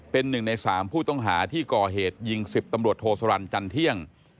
เป็นหนึ่งในสามผู้ต้องหาที่ก่อเหตุยิงสิบตำรวจโทษลันท์จันเที่ยง